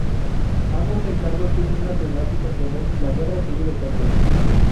Ambos encargos tienen una temática común: la Guerra Civil española.